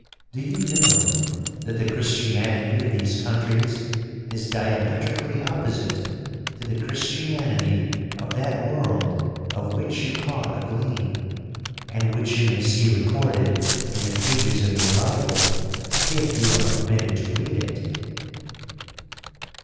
Do you know that the Christianity of these countries is diametrically opposite to the Christianity of that world of which you caught a gleam, and which you may see recorded in the pages of your Bible, if you are permitted to read it?'